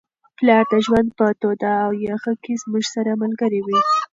پلار د ژوند په توده او یخه کي زموږ سره ملګری وي.